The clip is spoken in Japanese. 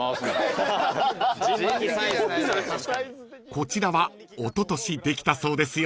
［こちらはおととしできたそうですよ］